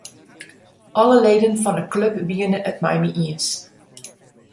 Alle leden fan 'e klup wiene it mei my iens.